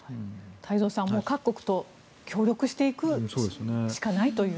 太蔵さん各国と協力していくしかないと。